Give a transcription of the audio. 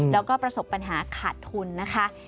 แล้วก็ประสบปัญหาขาดทุนนะคะ